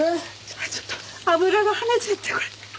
あっちょっと油が跳ねちゃってこれ。